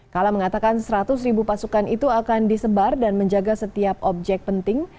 kala mengatakan seratus ribu pasukan itu akan disebar dan menjaga setiap objek penting